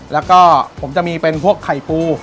แล้วก็ผมจะมีเป็นพวกไข่ปู